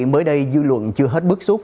mới đây dư luận chưa hết bước xuất